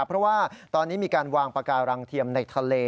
เพราะว่าตอนนี้มีการวางปาการังเทียมในทะเล